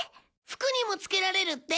服にもつけられるって。